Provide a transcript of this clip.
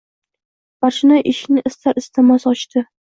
Barchinoy eshikni istar-istamas ochdi.